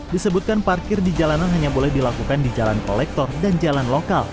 disebutkan parkir di jalanan hanya boleh dilakukan di jalan kolektor dan jalan lokal